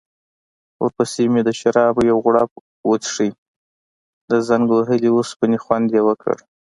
ورپسې مې د شرابو یو غوړپ وڅکلو، د زنګ وهلې اوسپنې خوند يې وکړ.